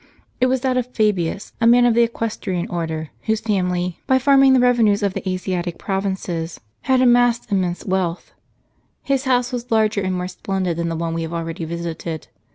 It was that of Fabius, a man of the equestrian order, whose family, by farming the revenues of Asiatic provinces, had amassed immense wealth. His house was larger and more splendid than the one we have already visited.